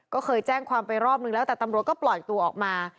ก็เคยแจ้งความไปรอบนึงแล้วแต่ตำรวจก็ปล่อยตัวออกมา